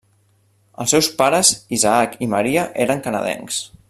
Els seus pares Isaac i Maria eren canadencs.